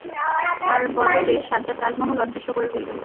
আর বলো যে সাজ্জাদ তাজমহল অদৃশ্য করে ফেলবে।